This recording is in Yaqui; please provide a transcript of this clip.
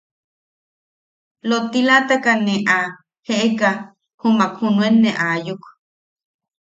Lottilataka ne a jeʼeka jumak junuen ne aayuk.